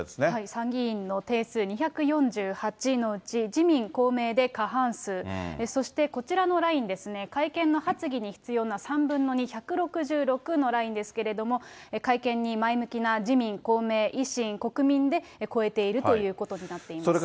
参議院の定数２４８のうち、自民・公明で過半数、そして、こちらのラインですね、改憲の発議に必要な３分の２、１６６のラインですけれども、改憲に前向きな自民、公明、維新、国民で超えているということになっています。